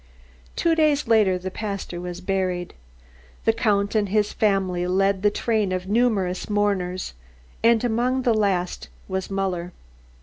Two days later the pastor was buried. The Count and his family led the train of numerous mourners and among the last was Muller.